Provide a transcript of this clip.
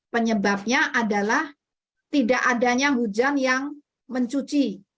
penyebabnya adalah tidak adanya hujan yang mencuci